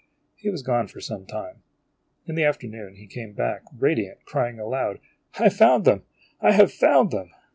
He was gone for some time. In the afternoon he came back radiant, crying aloud: " I have found them I have found them